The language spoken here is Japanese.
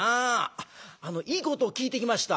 「あっいいことを聞いてきました」。